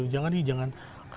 jangan nih jangan